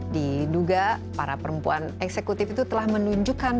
diduga para perempuan eksekutif itu telah menunjukkan